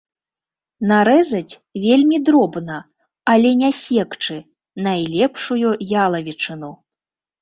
Нарэзаць вельмі дробна, але не секчы, найлепшую ялавічыну.